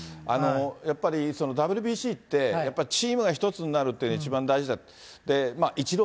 やっぱりＷＢＣって、やっぱりチームが一つになるっていうのが一番大事だと。